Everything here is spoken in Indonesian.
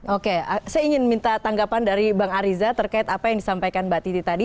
oke saya ingin minta tanggapan dari bang ariza terkait apa yang disampaikan mbak titi tadi